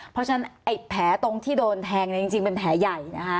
เพราะฉะนั้นแผลตรงที่โดนแทงจริงเป็นแผลใหญ่